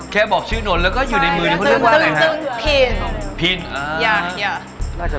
แค่บอกชื่อนนนท์แล้วก็อยู่ในมือในนึงเขาเรียกว่าอะไรคะ